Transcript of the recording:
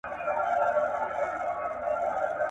• دلته بې په بډه کړم، کلي کي به ئې گډه کړم.